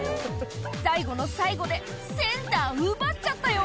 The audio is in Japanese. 最後の最後でセンター奪っちゃったよ